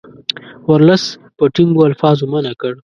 ورلسټ په ټینګو الفاظو منع کړ.